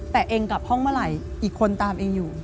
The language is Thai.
แต่เองกลับห้องเมื่อไหร่อีกคนตามเองอยู่